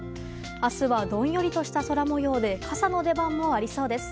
明日は、どんよりとした空模様で傘の出番もありそうです。